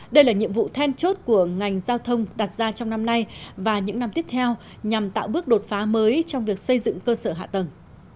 đây là nhiệm vụ then chốt của ngành giao thông đặt ra trong năm nay và những năm tiếp theo nhằm tạo bước đột phá mới trong việc xây dựng cơ sở hạ tầng